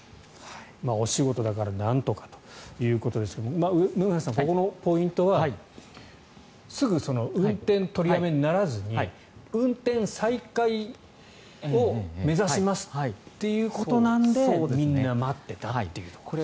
お仕事だからなんとかということですが梅原さん、ここのポイントはすぐ運転取りやめにならずに運転再開を目指しますっていうことなんでみんな待っていたということですね。